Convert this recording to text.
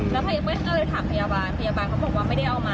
แล้วเพื่อนก็เลยถามพยาบาลพยาบาลเขาบอกว่าไม่ได้เอามา